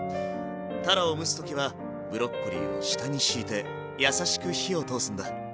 たらを蒸す時はブロッコリーを下に敷いて優しく火を通すんだ。